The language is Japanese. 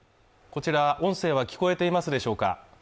こちら音声は聞こえていますでしょうか